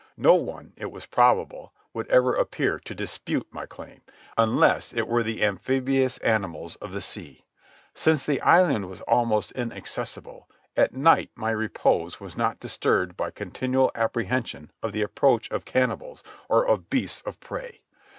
No one, it was probable, would ever appear to dispute my claim, unless it were the amphibious animals of the ocean. Since the island was almost inaccessible, at night my repose was not disturbed by continual apprehension of the approach of cannibals or of beasts of prey.